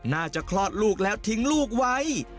คลอดลูกแล้วทิ้งลูกไว้